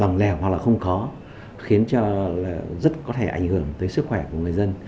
lòng lèo hoặc là không khó khiến cho rất có thể ảnh hưởng tới sức khỏe của người dân